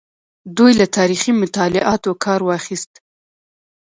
دوی له تاریخي مطالعاتو کار واخیست.